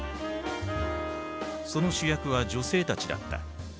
その主役は女性たちだった。